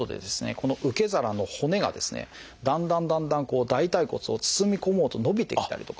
この受け皿の骨がですねだんだんだんだん大腿骨を包み込もうと伸びてきたりとか。